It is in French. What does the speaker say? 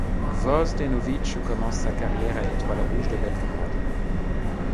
Gvozdenović commence sa carrière à l'Étoile rouge de Belgrade.